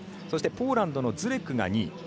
そして、ポーランドのズレックが２位。